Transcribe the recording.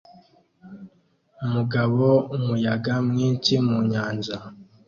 Umugabo umuyaga mwinshi mu nyanja